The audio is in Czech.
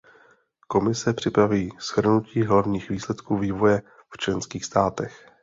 Komise připraví shrnutí hlavních výsledků vývoje v členských státech.